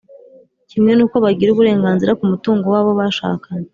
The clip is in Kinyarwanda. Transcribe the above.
kimwe n’uko bagira uburenganzira ku mutungo wabo bashakanye